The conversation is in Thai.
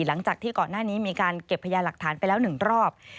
หลังจากที่ก่อนหน้านี้มีการเก็บพยาหลักฐานไปแล้ว๑รอบ